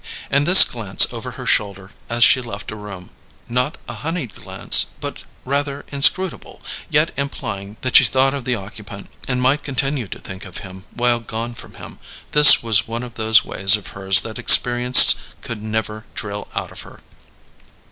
And this glance over her shoulder as she left a room not a honeyed glance but rather inscrutable, yet implying that she thought of the occupant, and might continue to think of him while gone from him this was one of those ways of hers that experience could never drill out of her.